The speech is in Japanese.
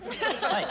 はい。